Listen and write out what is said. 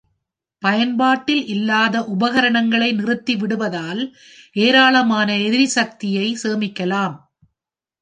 பயன்பாட்டில் இல்லாத உபகரணங்களை நிறுத்திவிடுவதால் ஏராளமான எரிசக்தியை சேமிக்கலாம்.